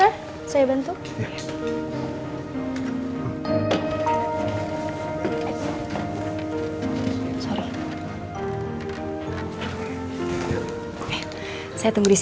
bersambung kita akan belajar